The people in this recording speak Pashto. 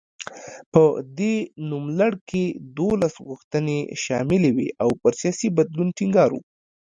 په دې نوملړ کې دولس غوښتنې شاملې وې او پر سیاسي بدلون ټینګار و.